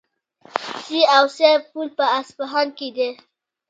سي او سه پل په اصفهان کې دی.